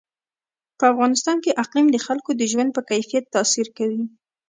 په افغانستان کې اقلیم د خلکو د ژوند په کیفیت تاثیر کوي.